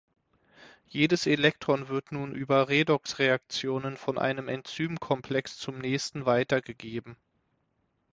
Jedes Elektron wird nun über Redoxreaktionen von einem Enzym-Komplex zum nächsten weitergegeben.